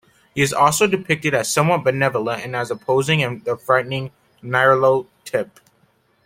He is also depicted as somewhat benevolent and as opposing the frightening Nyarlathotep.